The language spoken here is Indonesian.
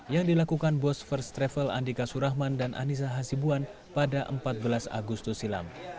yang dilakukan bos first travel andika surahman dan anissa hasibuan pada empat belas agustus silam